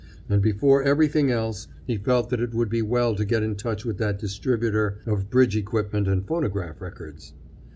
And before everything else he felt that it would be well to get in touch with that distributor of bridge equipment and phonograph records.